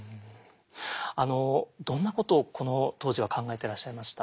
あのどんなことをこの当時は考えていらっしゃいました？